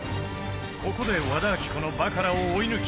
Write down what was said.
ここで和田アキ子のバカラを追い抜き